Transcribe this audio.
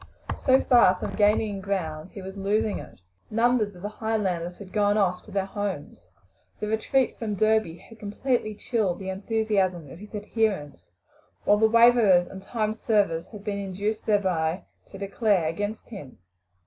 So far from gaining ground, he was losing it. Numbers of the Highlanders had gone off to their homes. The retreat from Derby had completely chilled the enthusiasm of his adherents, while the waverers and time servers had been induced thereby to declare against him.